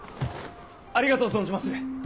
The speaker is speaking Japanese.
ありがとう存じまする！